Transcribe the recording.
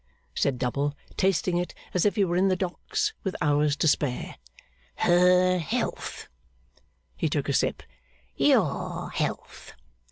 said Double, tasting it as if he were in the Docks, with hours to spare. 'Her health.' He took a sip. 'Your health!